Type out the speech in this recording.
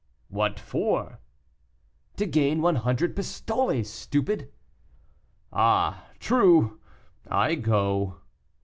"What for?" "To gain one hundred pistoles, stupid." "Ah! true; I go."